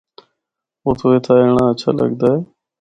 اُتھو اِتھا اینڑا ہچھا لگدا اے۔